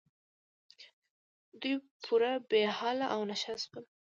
دوی پوره بې حاله او نشه شول.